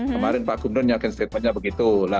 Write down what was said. kemarin pak gumrun nyatakan statementnya begitu